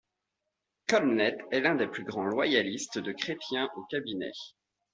Collenette est l'un des plus grands loyalistes de Chrétien au cabinet.